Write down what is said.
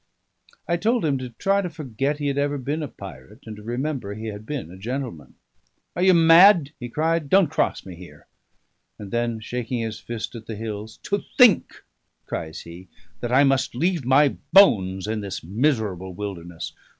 I told him to try to forget he had ever been a pirate, and to remember he had been a gentleman. "Are you mad?" he cried. "Don't cross me here!" And then, shaking his fist at the hills, "To think," cries he, "that I must leave my bones in this miserable wilderness!